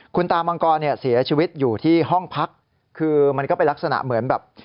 คุณตามังกรเนี่ยเสียชีวิตอยู่ที่ห้องพักคือมันก็เป็นลักษณะเหมือนแบบ